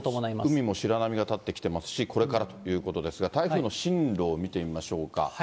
海も白波が立ってきていますし、これからということですが、台風の進路を見てみましょうか。